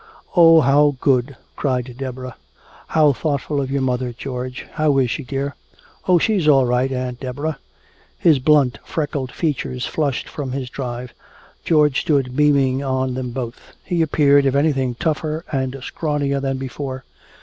"Oh, how good!" cried Deborah. "How thoughtful of your mother, George. How is she, dear?" "Oh, she's all right, Aunt Deborah." His blunt freckled features flushed from his drive, George stood beaming on them both. He appeared, if anything, tougher and scrawnier than before.